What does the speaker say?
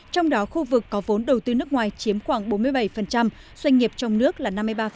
trong đó khu vực có vốn đầu tư nước ngoài chiếm khoảng bốn mươi bảy doanh nghiệp trong nước là năm mươi ba